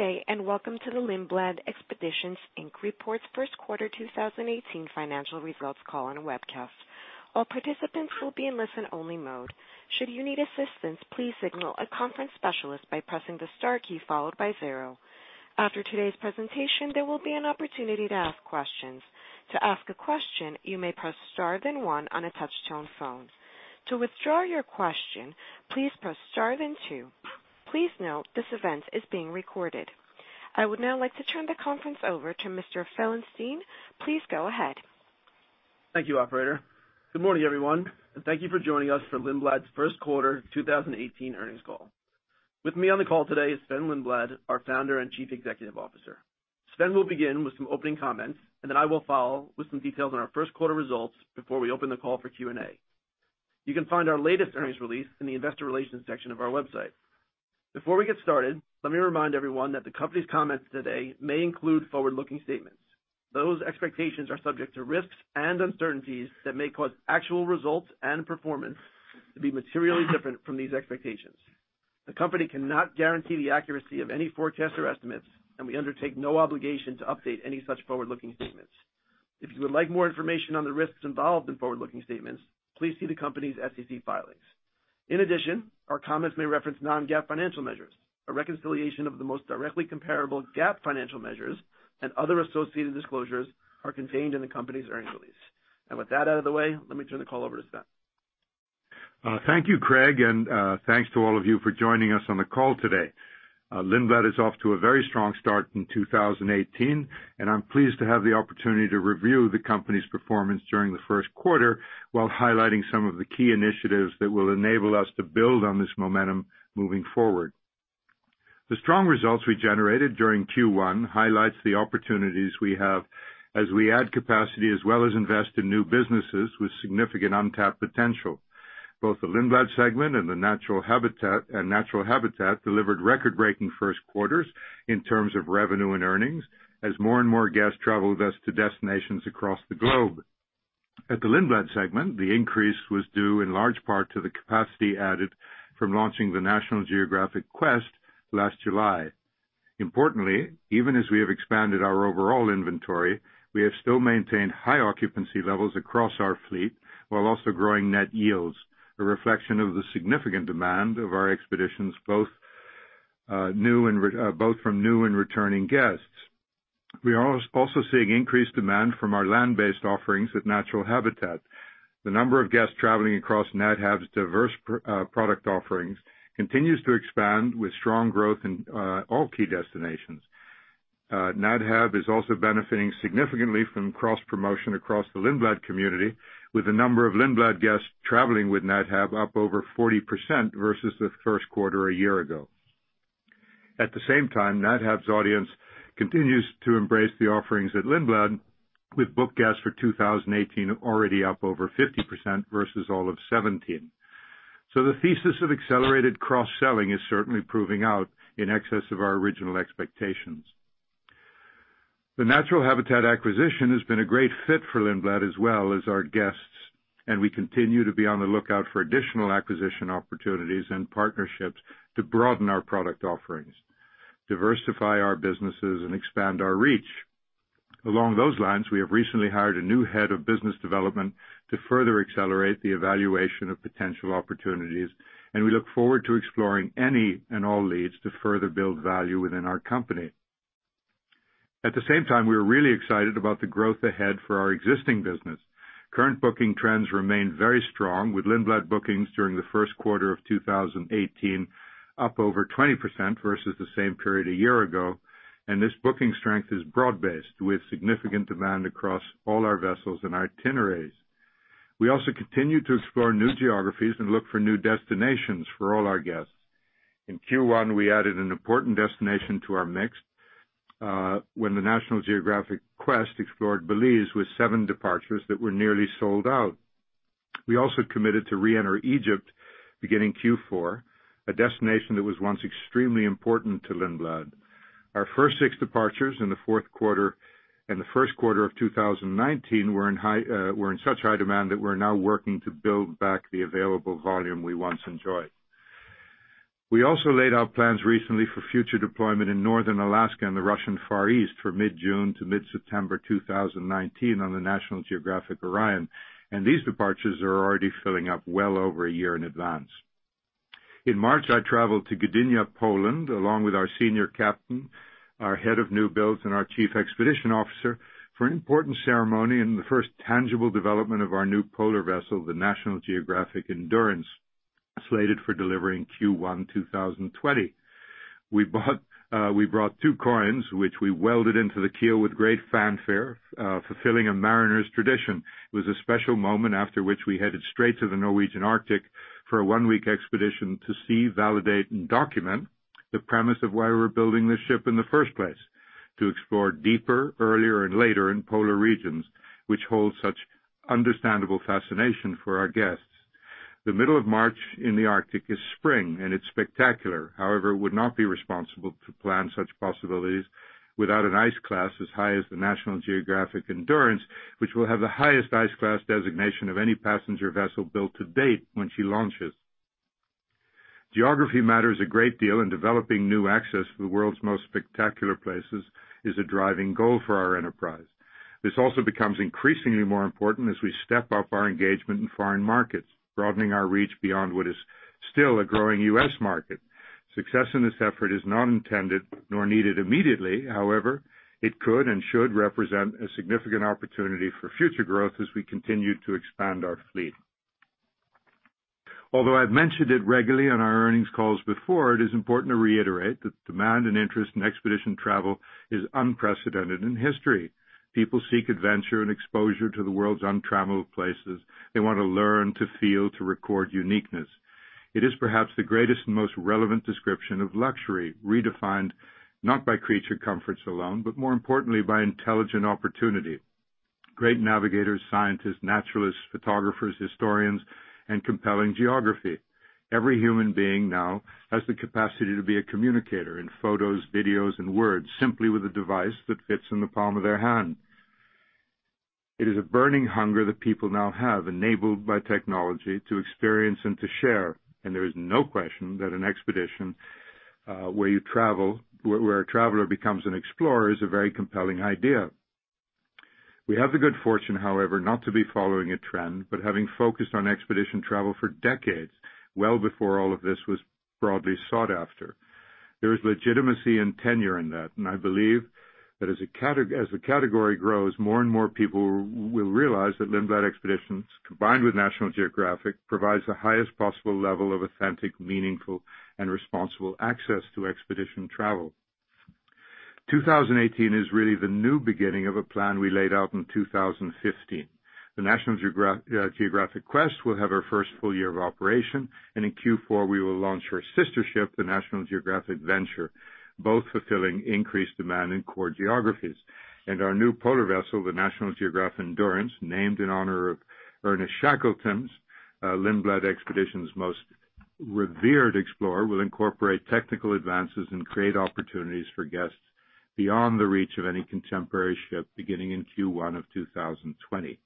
Good day, welcome to the Lindblad Expeditions, Inc. reports first quarter 2018 financial results call on webcast. All participants will be in listen-only mode. Should you need assistance, please signal a conference specialist by pressing the star key followed by zero. After today's presentation, there will be an opportunity to ask questions. To ask a question, you may press star then one on a touch-tone phone. To withdraw your question, please press star then two. Please note this event is being recorded. I would now like to turn the conference over to Mr. Felenstein. Please go ahead. Thank you, operator. Good morning, everyone, thank you for joining us for Lindblad's first quarter 2018 earnings call. With me on the call today is Sven-Olof Lindblad, our founder and chief executive officer. Sven will begin with some opening comments, then I will follow with some details on our first quarter results before we open the call for Q&A. You can find our latest earnings release in the investor relations section of our website. Before we get started, let me remind everyone that the company's comments today may include forward-looking statements. Those expectations are subject to risks and uncertainties that may cause actual results and performance to be materially different from these expectations. The company cannot guarantee the accuracy of any forecasts or estimates, we undertake no obligation to update any such forward-looking statements. If you would like more information on the risks involved in forward-looking statements, please see the company's SEC filings. In addition, our comments may reference non-GAAP financial measures. A reconciliation of the most directly comparable GAAP financial measures and other associated disclosures are contained in the company's earnings release. With that out of the way, let me turn the call over to Sven. Thank you, Craig, thanks to all of you for joining us on the call today. Lindblad is off to a very strong start in 2018, I'm pleased to have the opportunity to review the company's performance during the first quarter, while highlighting some of the key initiatives that will enable us to build on this momentum moving forward. The strong results we generated during Q1 highlights the opportunities we have as we add capacity, as well as invest in new businesses with significant untapped potential. Both the Lindblad Segment and Natural Habitat delivered record-breaking first quarters in terms of revenue and earnings, as more and more guests traveled with us to destinations across the globe. At the Lindblad Segment, the increase was due in large part to the capacity added from launching the National Geographic Quest last July. Importantly, even as we have expanded our overall inventory, we have still maintained high occupancy levels across our fleet, while also growing net yields, a reflection of the significant demand of our expeditions, both from new and returning guests. We are also seeing increased demand from our land-based offerings at Natural Habitat. The number of guests traveling across Nat Hab's diverse product offerings continues to expand with strong growth in all key destinations. Nat Hab is also benefiting significantly from cross-promotion across the Lindblad community, with the number of Lindblad guests traveling with Nat Hab up over 40% versus the first quarter a year ago. At the same time, Nat Hab's audience continues to embrace the offerings at Lindblad, with booked guests for 2018 already up over 50% versus all of 2017. The thesis of accelerated cross-selling is certainly proving out in excess of our original expectations. The Natural Habitat acquisition has been a great fit for Lindblad as well as our guests. We continue to be on the lookout for additional acquisition opportunities and partnerships to broaden our product offerings, diversify our businesses, and expand our reach. Along those lines, we have recently hired a new head of business development to further accelerate the evaluation of potential opportunities. We look forward to exploring any and all leads to further build value within our company. At the same time, we are really excited about the growth ahead for our existing business. Current booking trends remain very strong, with Lindblad bookings during the first quarter of 2018 up over 20% versus the same period a year ago. This booking strength is broad-based, with significant demand across all our vessels and itineraries. We also continue to explore new geographies and look for new destinations for all our guests. In Q1, we added an important destination to our mix, when the National Geographic Quest explored Belize with seven departures that were nearly sold out. We also committed to re-enter Egypt beginning Q4, a destination that was once extremely important to Lindblad. Our first six departures in the fourth quarter and the first quarter of 2019 were in such high demand that we are now working to build back the available volume we once enjoyed. We also laid out plans recently for future deployment in Northern Alaska and the Russian Far East for mid-June to mid-September 2019 on the National Geographic Orion. These departures are already filling up well over a year in advance. In March, I traveled to Gdynia, Poland, along with our senior captain, our head of new builds, and our chief expedition officer, for an important ceremony in the first tangible development of our new polar vessel, the National Geographic Endurance, slated for delivery in Q1 2020. We brought two coins, which we welded into the keel with great fanfare, fulfilling a mariner's tradition. It was a special moment, after which we headed straight to the Norwegian Arctic for a one-week expedition to see, validate, and document the premise of why we are building this ship in the first place: to explore deeper, earlier, and later in polar regions, which hold such understandable fascination for our guests. The middle of March in the Arctic is spring, and it is spectacular. However, it would not be responsible to plan such possibilities without an ice class as high as the National Geographic Endurance, which will have the highest ice class designation of any passenger vessel built to date when she launches. Geography matters a great deal in developing new access to the world's most spectacular places is a driving goal for our enterprise. This also becomes increasingly more important as we step up our engagement in foreign markets, broadening our reach beyond what is still a growing U.S. market. Success in this effort is not intended nor needed immediately. However, it could and should represent a significant opportunity for future growth as we continue to expand our fleet. Although I've mentioned it regularly on our earnings calls before, it is important to reiterate that demand and interest in expedition travel is unprecedented in history. People seek adventure and exposure to the world's untraveled places. They want to learn, to feel, to record uniqueness. It is perhaps the greatest and most relevant description of luxury, redefined not by creature comforts alone, but more importantly by intelligent opportunity. Great navigators, scientists, naturalists, photographers, historians, and compelling geography. Every human being now has the capacity to be a communicator in photos, videos, and words, simply with a device that fits in the palm of their hand. It is a burning hunger that people now have, enabled by technology to experience and to share, there is no question that an expedition, where a traveler becomes an explorer is a very compelling idea. We have the good fortune, however, not to be following a trend, having focused on expedition travel for decades, well before all of this was broadly sought after. There is legitimacy and tenure in that, I believe that as the category grows, more and more people will realize that Lindblad Expeditions, combined with National Geographic, provides the highest possible level of authentic, meaningful, and responsible access to expedition travel. 2018 is really the new beginning of a plan we laid out in 2015. The National Geographic Quest will have our first full year of operation, in Q4, we will launch her sister ship, the National Geographic Venture, both fulfilling increased demand in core geographies. Our new polar vessel, the National Geographic Endurance, named in honor of Ernest Shackleton, Lindblad Expeditions' most revered explorer, will incorporate technical advances and create opportunities for guests beyond the reach of any contemporary ship beginning in Q1 of 2020.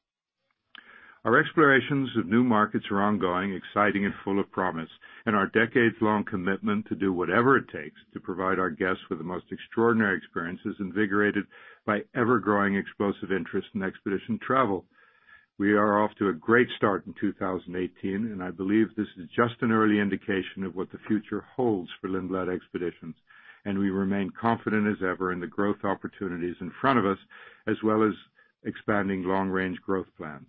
Our explorations of new markets are ongoing, exciting, and full of promise, our decades-long commitment to do whatever it takes to provide our guests with the most extraordinary experience is invigorated by ever-growing explosive interest in expedition travel. We are off to a great start in 2018, I believe this is just an early indication of what the future holds for Lindblad Expeditions, we remain confident as ever in the growth opportunities in front of us, as well as expanding long-range growth plans.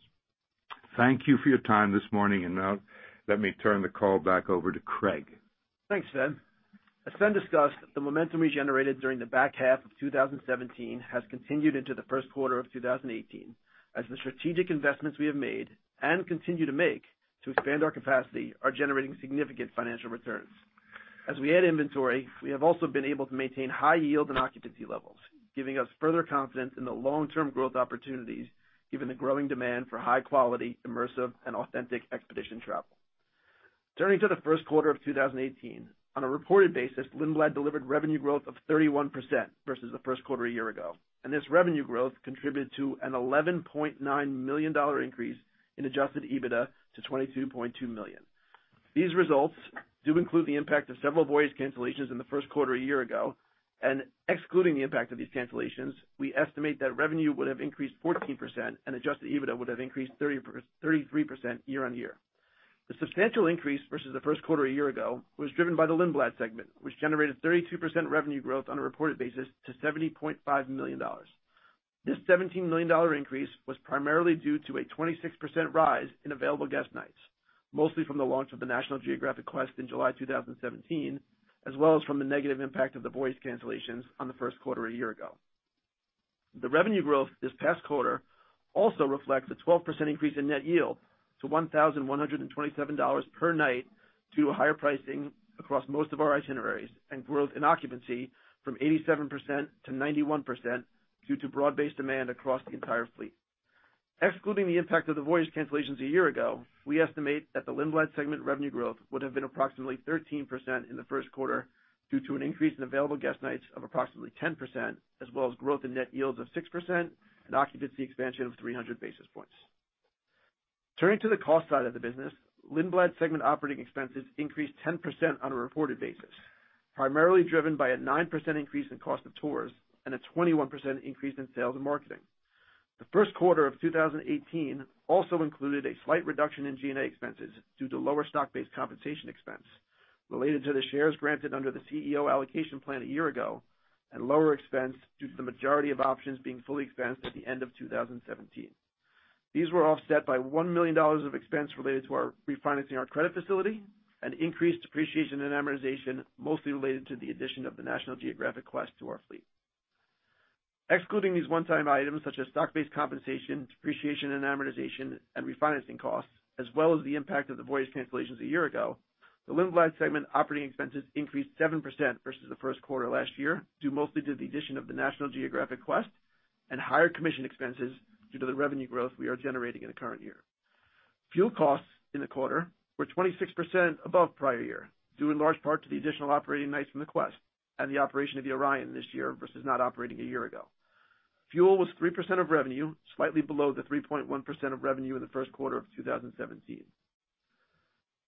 Thank you for your time this morning, now let me turn the call back over to Craig. Thanks, Sven. As Sven discussed, the momentum we generated during the back half of 2017 has continued into the first quarter of 2018, as the strategic investments we have made and continue to make to expand our capacity are generating significant financial returns. As we add inventory, we have also been able to maintain high yield and occupancy levels, giving us further confidence in the long-term growth opportunities, given the growing demand for high quality, immersive, and authentic expedition travel. Turning to the first quarter of 2018. On a reported basis, Lindblad delivered revenue growth of 31% versus the first quarter a year ago. This revenue growth contributed to an $11.9 million increase in adjusted EBITDA to $22.2 million. These results do include the impact of several voyage cancellations in the first quarter a year ago. Excluding the impact of these cancellations, we estimate that revenue would have increased 14% and adjusted EBITDA would have increased 33% year-on-year. The substantial increase versus the first quarter a year ago was driven by the Lindblad segment, which generated 32% revenue growth on a reported basis to $70.5 million. This $17 million increase was primarily due to a 26% rise in available guest nights, mostly from the launch of the National Geographic Quest in July 2017, as well as from the negative impact of the voyage cancellations on the first quarter a year ago. The revenue growth this past quarter also reflects a 12% increase in net yield to $1,127 per night due to higher pricing across most of our itineraries and growth in occupancy from 87%-91% due to broad-based demand across the entire fleet. Excluding the impact of the voyage cancellations a year ago, we estimate that the Lindblad segment revenue growth would have been approximately 13% in the first quarter due to an increase in available guest nights of approximately 10%, as well as growth in net yields of 6% and occupancy expansion of 300 basis points. Turning to the cost side of the business, Lindblad segment operating expenses increased 10% on a reported basis, primarily driven by a 9% increase in cost of tours and a 21% increase in sales and marketing. The first quarter of 2018 also included a slight reduction in G&A expenses due to lower stock-based compensation expense related to the shares granted under the CEO Allocation Plan a year ago and lower expense due to the majority of options being fully expensed at the end of 2017. These were offset by $1 million of expense related to our refinancing our credit facility and increased depreciation and amortization, mostly related to the addition of the National Geographic Quest to our fleet. Excluding these one-time items such as stock-based compensation, depreciation and amortization, and refinancing costs, as well as the impact of the voyage cancellations a year ago, the Lindblad segment operating expenses increased 7% versus the first quarter last year, due mostly to the addition of the National Geographic Quest and higher commission expenses due to the revenue growth we are generating in the current year. Fuel costs in the quarter were 26% above prior year, due in large part to the additional operating nights in the Quest and the operation of the Orion this year versus not operating a year ago. Fuel was 3% of revenue, slightly below the 3.1% of revenue in the first quarter of 2017.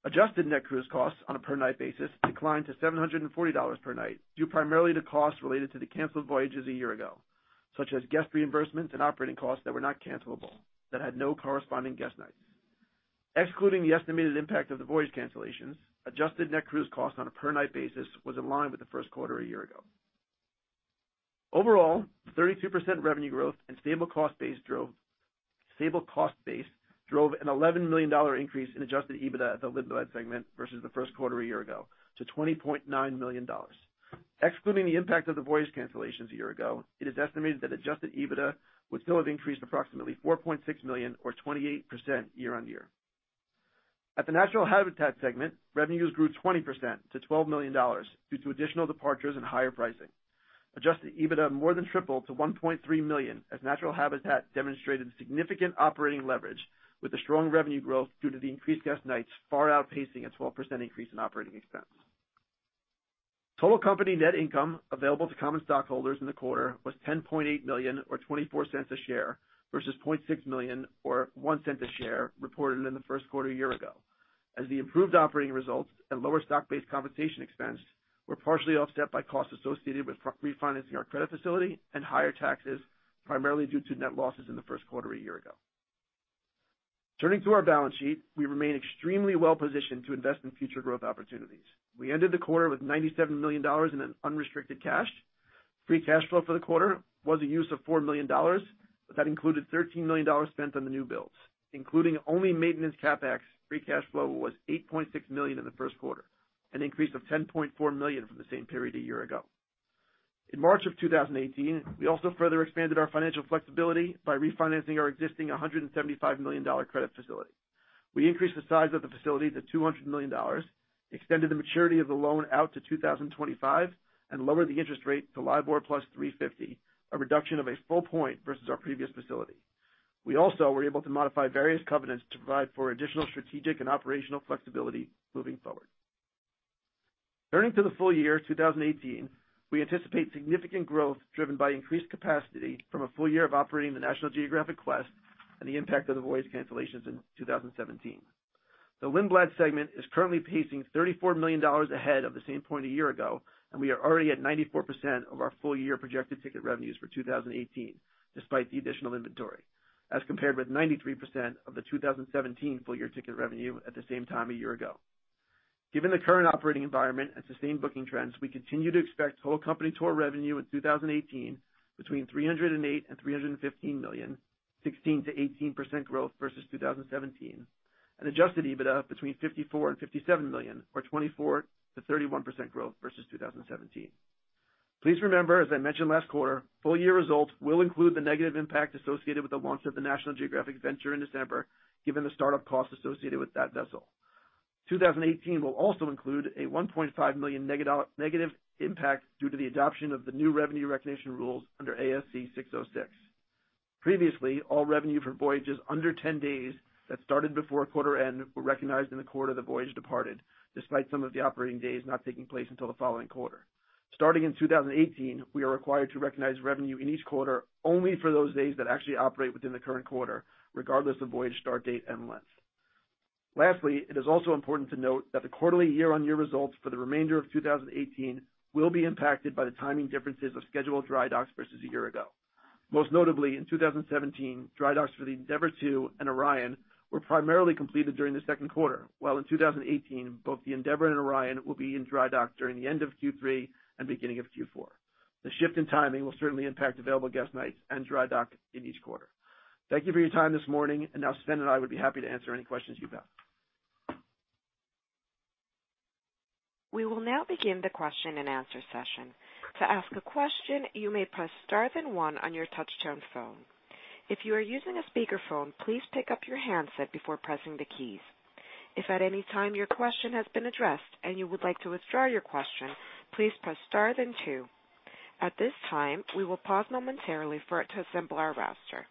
Adjusted net cruise costs on a per night basis declined to $740 per night, due primarily to costs related to the canceled voyages a year ago, such as guest reimbursements and operating costs that were not cancelable, that had no corresponding guest nights. Excluding the estimated impact of the voyage cancellations, adjusted net cruise costs on a per night basis was in line with the first quarter a year ago. Overall, 32% revenue growth and stable cost base drove an $11 million increase in adjusted EBITDA at the Lindblad segment versus the first quarter a year ago, to $20.9 million. Excluding the impact of the voyage cancellations a year ago, it is estimated that adjusted EBITDA would still have increased approximately $4.6 million or 28% year-over-year. At the Natural Habitat segment, revenues grew 20% to $12 million due to additional departures and higher pricing. Adjusted EBITDA more than tripled to $1.3 million, as Natural Habitat demonstrated significant operating leverage with the strong revenue growth due to the increased guest nights far outpacing a 12% increase in operating expense. Total company net income available to common stockholders in the quarter was $10.8 million or $0.24 a share, versus $0.6 million or $0.01 a share reported in the first quarter a year ago, as the improved operating results and lower stock-based compensation expense were partially offset by costs associated with refinancing our credit facility and higher taxes, primarily due to net losses in the first quarter a year ago. Turning to our balance sheet, we remain extremely well-positioned to invest in future growth opportunities. We ended the quarter with $97 million in unrestricted cash. Free cash flow for the quarter was a use of $4 million, but that included $13 million spent on the new builds. Including only maintenance CapEx, free cash flow was $8.6 million in the first quarter, an increase of $10.4 million from the same period a year ago. In March of 2018, we also further expanded our financial flexibility by refinancing our existing $175 million credit facility. We increased the size of the facility to $200 million, extended the maturity of the loan out to 2025, and lowered the interest rate to LIBOR plus 350, a reduction of a full point versus our previous facility. We also were able to modify various covenants to provide for additional strategic and operational flexibility moving forward. Turning to the full year 2018, we anticipate significant growth driven by increased capacity from a full year of operating the National Geographic Quest and the impact of the voyage cancellations in 2017. The Lindblad segment is currently pacing $34 million ahead of the same point a year ago. We are already at 94% of our full-year projected ticket revenues for 2018, despite the additional inventory, as compared with 93% of the 2017 full-year ticket revenue at the same time a year ago. Given the current operating environment and sustained booking trends, we continue to expect total company tour revenue in 2018 between $308 million and $315 million, 16%-18% growth versus 2017, and adjusted EBITDA between $54 million and $57 million, or 24%-31% growth versus 2017. Please remember, as I mentioned last quarter, full-year results will include the negative impact associated with the launch of the National Geographic Venture in December, given the start-up costs associated with that vessel. 2018 will also include a $1.5 million negative impact due to the adoption of the new revenue recognition rules under ASC 606. Previously, all revenue for voyages under 10 days that started before quarter end were recognized in the quarter the voyage departed, despite some of the operating days not taking place until the following quarter. Starting in 2018, we are required to recognize revenue in each quarter only for those days that actually operate within the current quarter, regardless of voyage start date and length. Lastly, it is also important to note that the quarterly year-on-year results for the remainder of 2018 will be impacted by the timing differences of scheduled dry docks versus a year ago. Most notably, in 2017, dry docks for the Endeavour II and Orion were primarily completed during the second quarter, while in 2018, both the Endeavour and Orion will be in dry dock during the end of Q3 and beginning of Q4. The shift in timing will certainly impact available guest nights and dry dock in each quarter. Thank you for your time this morning, and now Sven and I would be happy to answer any questions you have. We will now begin the question and answer session. To ask a question, you may press star then one on your touchtone phone. If you are using a speakerphone, please pick up your handset before pressing the keys. If at any time your question has been addressed and you would like to withdraw your question, please press star then two. At this time, we will pause momentarily for it to assemble our roster.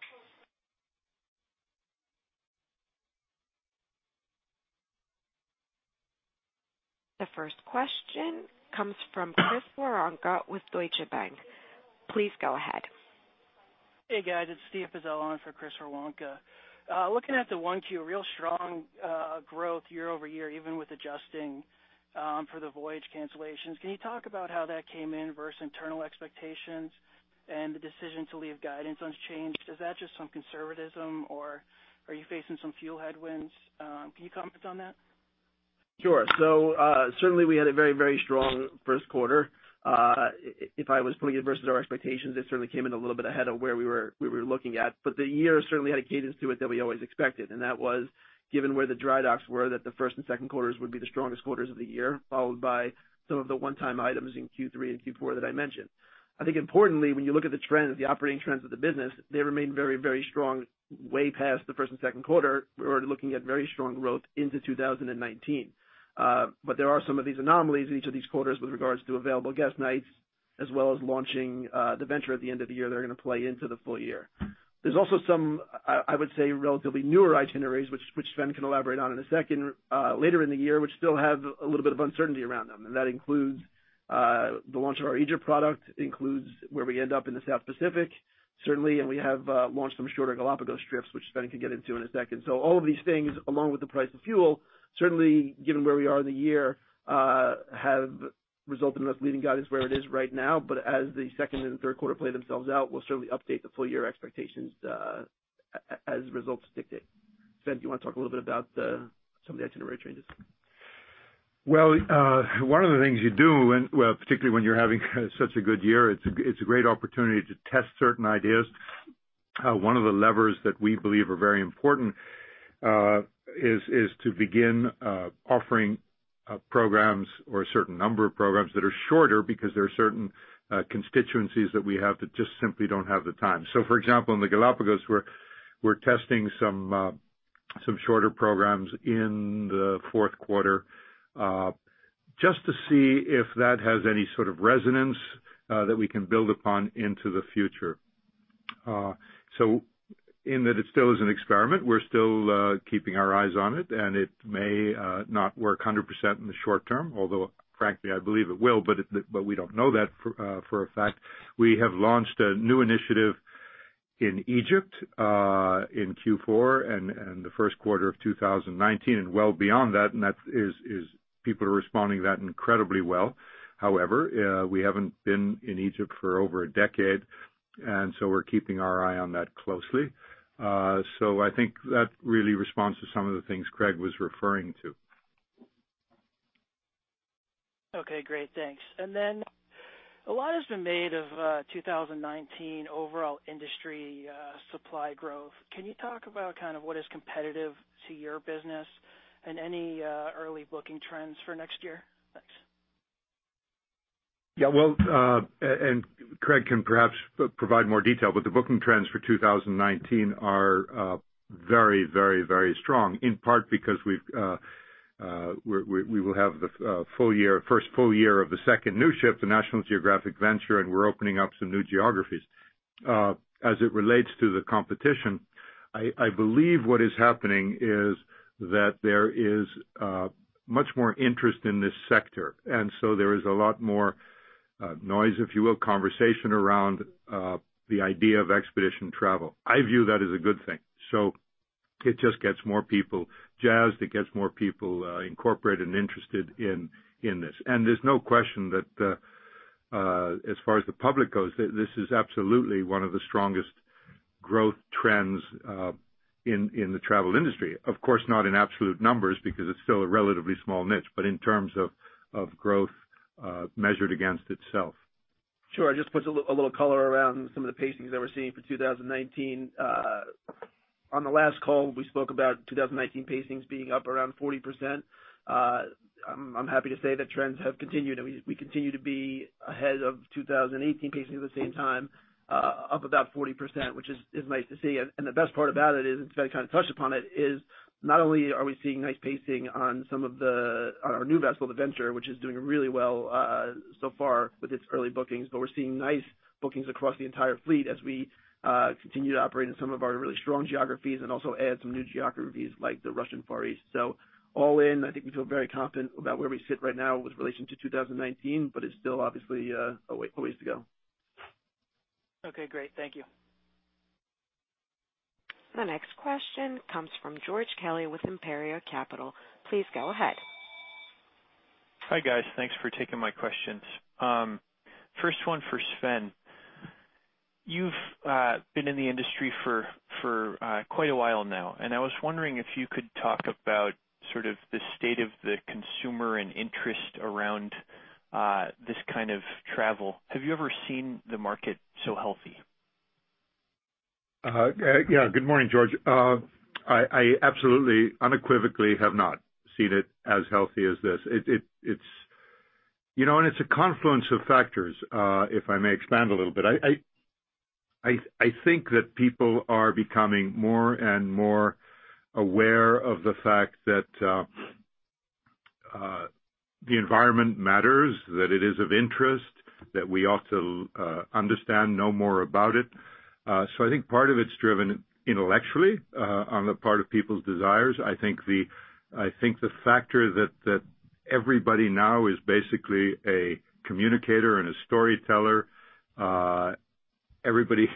The first question comes from Chris Woronka with Deutsche Bank. Please go ahead. Hey, guys. It's Steve Wieczynski on for Chris Woronka. Looking at the one Q, real strong growth year-over-year, even with adjusting for the voyage cancellations. Can you talk about how that came in versus internal expectations and the decision to leave guidance unchanged? Is that just some conservatism, or are you facing some fuel headwinds? Can you comment on that? Sure. Certainly we had a very strong first quarter. If I was putting it versus our expectations, it certainly came in a little bit ahead of where we were looking at. The year certainly had a cadence to it that we always expected, and that was given where the dry docks were, that the first and second quarters would be the strongest quarters of the year, followed by some of the one-time items in Q3 and Q4 that I mentioned. I think importantly, when you look at the trends, the operating trends of the business, they remain very strong way past the first and second quarter. We're looking at very strong growth into 2019. There are some of these anomalies in each of these quarters with regards to available guest nights, as well as launching the Venture at the end of the year. They're going to play into the full year. There's also some, I would say, relatively newer itineraries, which Sven can elaborate on in a second, later in the year, which still have a little bit of uncertainty around them, and that includes the launch of our Egypt product, includes where we end up in the South Pacific Certainly, and we have launched some shorter Galápagos trips, which Sven can get into in a second. All of these things, along with the price of fuel, certainly given where we are in the year, have resulted in us leaving guidance where it is right now. As the second and third quarter play themselves out, we'll certainly update the full-year expectations as results dictate. Sven, do you want to talk a little bit about some of the itinerary changes? One of the things you do, particularly when you're having such a good year, it's a great opportunity to test certain ideas. One of the levers that we believe are very important is to begin offering programs or a certain number of programs that are shorter because there are certain constituencies that we have that just simply don't have the time. For example, in the Galápagos, we're testing some shorter programs in the fourth quarter, just to see if that has any sort of resonance that we can build upon into the future. In that it still is an experiment. We're still keeping our eyes on it, and it may not work 100% in the short term, although frankly, I believe it will, but we don't know that for a fact. We have launched a new initiative in Egypt, in Q4 and the first quarter of 2019 and well beyond that. People are responding to that incredibly well. However, we haven't been in Egypt for over a decade, and so we're keeping our eye on that closely. I think that really responds to some of the things Craig was referring to. Okay, great. Thanks. A lot has been made of 2019 overall industry supply growth. Can you talk about what is competitive to your business and any early booking trends for next year? Thanks. Yeah, well, Craig can perhaps provide more detail, but the booking trends for 2019 are very strong, in part because we will have the first full year of the second new ship, the National Geographic Venture. We're opening up some new geographies. As it relates to the competition, I believe what is happening is that there is much more interest in this sector. There is a lot more noise, if you will, conversation around the idea of expedition travel. I view that as a good thing. It just gets more people jazzed. It gets more people incorporated and interested in this. There's no question that, as far as the public goes, this is absolutely one of the strongest growth trends in the travel industry. Of course, not in absolute numbers, because it's still a relatively small niche, but in terms of growth measured against itself. Sure. I'll just put a little color around some of the pacings that we're seeing for 2019. On the last call, we spoke about 2019 pacings being up around 40%. I'm happy to say that trends have continued, and we continue to be ahead of 2018 pacing at the same time, up about 40%, which is nice to see. The best part about it is, and Sven kind of touched upon it, is not only are we seeing nice pacing on our new vessel, the Venture, which is doing really well so far with its early bookings, but we're seeing nice bookings across the entire fleet as we continue to operate in some of our really strong geographies and also add some new geographies, like the Russian Far East. All in, I think we feel very confident about where we sit right now with relation to 2019, but it's still obviously a ways to go. Okay, great. Thank you. The next question comes from George Kelly with Imperial Capital. Please go ahead. Hi, guys. Thanks for taking my questions. First one for Sven. I was wondering if you could talk about sort of the state of the consumer and interest around this kind of travel. Have you ever seen the market so healthy? Yeah. Good morning, George. I absolutely, unequivocally have not seen it as healthy as this. It's a confluence of factors, if I may expand a little bit. I think that people are becoming more and more aware of the fact that the environment matters, that it is of interest, that we ought to understand, know more about it. I think part of it's driven intellectually, on the part of people's desires. I think the factor that everybody now is basically a communicator and a storyteller. Everybody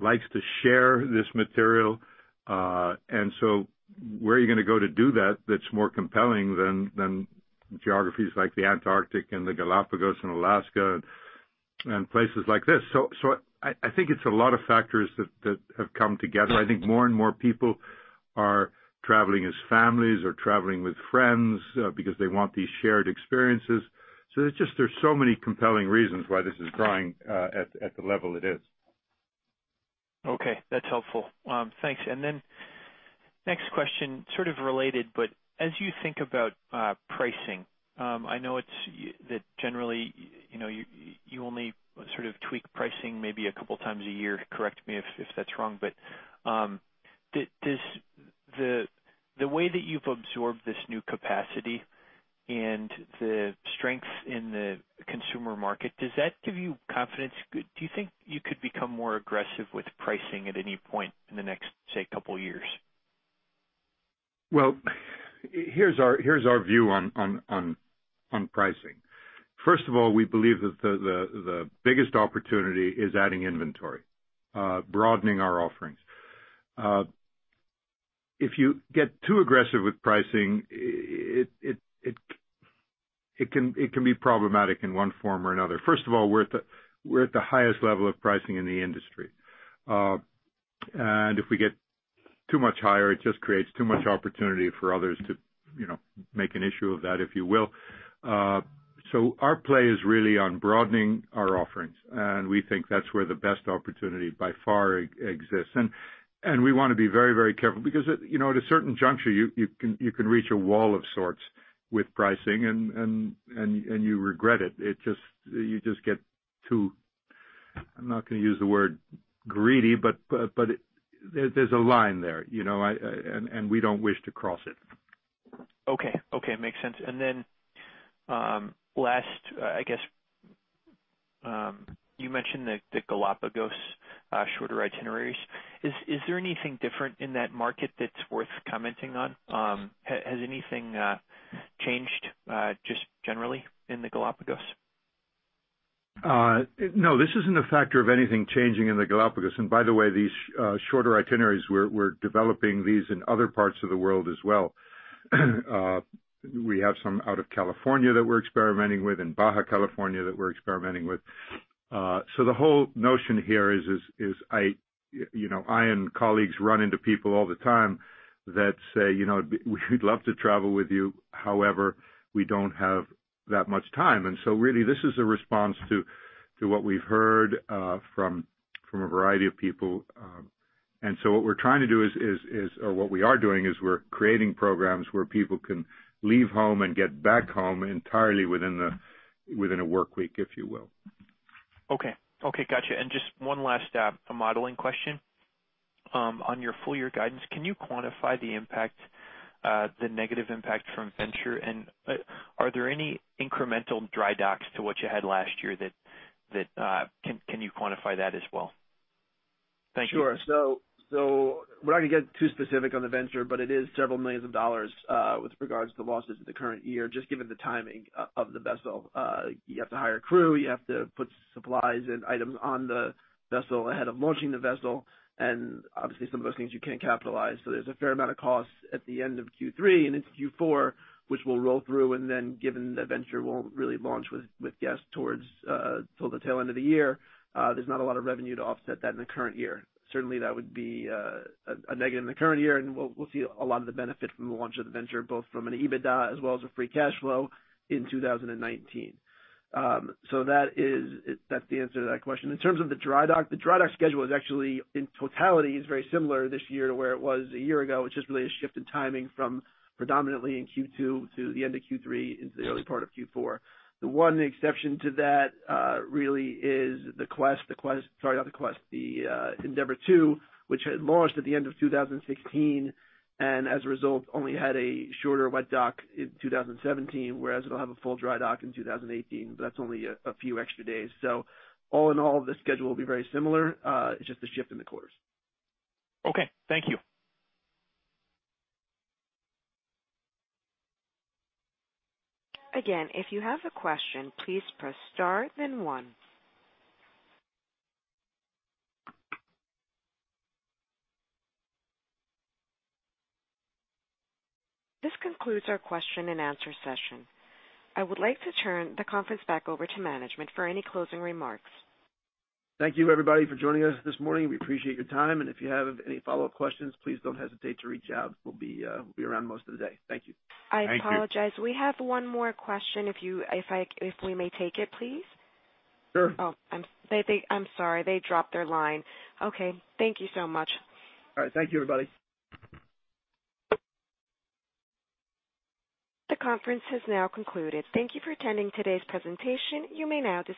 likes to share this material. Where are you going to go to do that that's more compelling than geographies like the Antarctic and the Galápagos and Alaska and places like this? I think it's a lot of factors that have come together. I think more and more people are traveling as families or traveling with friends because they want these shared experiences. There's so many compelling reasons why this is growing at the level it is. Okay, that's helpful. Thanks. Next question, sort of related, as you think about pricing, I know that generally, you only sort of tweak pricing maybe a couple times a year. Correct me if that's wrong. The way that you've absorbed this new capacity and the strength in the consumer market, does that give you confidence? Do you think you could become more aggressive with pricing at any point in the next, say, couple years? Well, here's our view on pricing. First of all, we believe that the biggest opportunity is adding inventory, broadening our offerings. If you get too aggressive with pricing, it can be problematic in one form or another. First of all, we're at the highest level of pricing in the industry. If we get too much higher, it just creates too much opportunity for others to make an issue of that, if you will. Our play is really on broadening our offerings, and we think that's where the best opportunity by far exists. We want to be very careful because, at a certain juncture, you can reach a wall of sorts with pricing and you regret it. You just get too, I'm not going to use the word greedy, but there's a line there, and we don't wish to cross it. Okay. Makes sense. Last, I guess, you mentioned the Galápagos shorter itineraries. Is there anything different in that market that's worth commenting on? Has anything changed just generally in the Galápagos? No, this isn't a factor of anything changing in the Galápagos. By the way, these shorter itineraries, we're developing these in other parts of the world as well. We have some out of California that we're experimenting with, in Baja California that we're experimenting with. The whole notion here is I and colleagues run into people all the time that say, "We'd love to travel with you, however, we don't have that much time." Really this is a response to what we've heard from a variety of people. What we're trying to do is, or what we are doing is we're creating programs where people can leave home and get back home entirely within a work week, if you will. Okay. Got you. Just one last, a modeling question. On your full-year guidance, can you quantify the negative impact from Venture, and are there any incremental dry docks to what you had last year? Can you quantify that as well? Thank you. Sure. We're not going to get too specific on the Venture, but it is several millions of dollars with regards to losses in the current year, just given the timing of the vessel. You have to hire crew, you have to put supplies and items on the vessel ahead of launching the vessel, and obviously some of those things you can't capitalize. There's a fair amount of cost at the end of Q3 and into Q4, which we'll roll through, and then given that Venture won't really launch with guests towards the tail end of the year, there's not a lot of revenue to offset that in the current year. Certainly, that would be a negative in the current year, and we'll see a lot of the benefit from the launch of the Venture, both from an EBITDA as well as a free cash flow in 2019. That's the answer to that question. In terms of the dry dock, the dry dock schedule is actually, in totality, is very similar this year to where it was a year ago. It's just really a shift in timing from predominantly in Q2 to the end of Q3 into the early part of Q4. The one exception to that really is the Endeavour II, which had launched at the end of 2016, and as a result, only had a shorter wet dock in 2017, whereas it'll have a full dry dock in 2018. That's only a few extra days. All in all, the schedule will be very similar. It's just a shift in the quarters. Okay. Thank you. Again, if you have a question, please press star, then one. This concludes our question and answer session. I would like to turn the conference back over to management for any closing remarks. Thank you everybody for joining us this morning. We appreciate your time, and if you have any follow-up questions, please don't hesitate to reach out. We'll be around most of the day. Thank you. Thank you. I apologize. We have one more question if we may take it, please. Sure. Oh, I'm sorry. They dropped their line. Okay. Thank you so much. All right. Thank you, everybody. The conference has now concluded. Thank you for attending today's presentation. You may now disconnect.